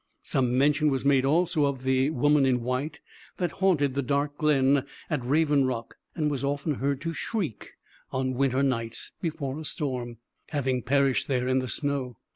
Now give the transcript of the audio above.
Some mention was made also of the woman in white, that haunted the dark glen at Raven Rock, and was often heard to shriek on winter nights before a storm, having perished there in the snow.